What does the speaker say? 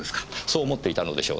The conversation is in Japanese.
そう思っていたのでしょうねえ。